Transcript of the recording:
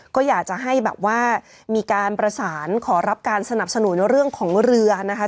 ก็อยากจะให้แบบว่ามีการประสานขอรับการสนับสนุนเรื่องของเรือนะคะ